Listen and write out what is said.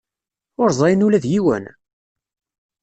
Ur ẓrin ula d yiwen?